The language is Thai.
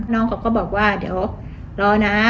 น้องเขาก็บอกว่าเดี๋ยวรอนะ